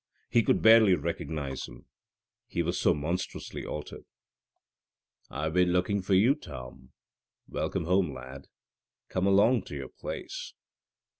He could barely recognise him, he was so monstrously altered. "I've been looking for you, Tom. Welcome home, lad; come along to your place."